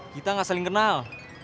kita gak saling kenal